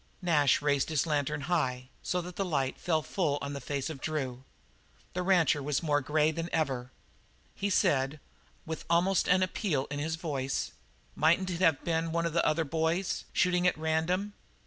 Nash raised his lantern high, so that the light fell full on the face of Drew. The rancher was more grey than ever. He said, with almost an appeal in his voice: "Mightn't it have been one of the other boys, shooting at random?"